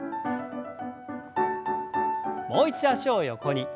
もう一度脚を横に。